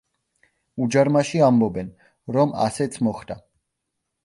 უჯარმაში ამბობენ, რომ ასეც მოხდა.